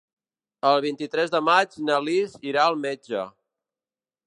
El vint-i-tres de maig na Lis irà al metge.